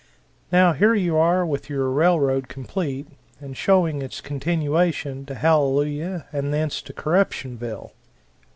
Now here you are with your railroad complete, and showing its continuation to Hallelujah and thence to Corruptionville.